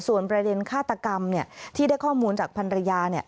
ส่วนประเด็นฆาตกรรมที่ได้ข้อมูลจากพันรยา